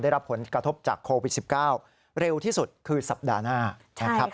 ได้รับผลกระทบจากโควิด๑๙เร็วที่สุดคือสัปดาห์หน้านะครับ